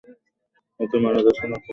ও কি মারা গেছে নাকি?